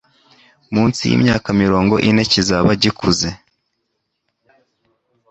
Munsi y'imyaka mirongo ine kizaba gikuze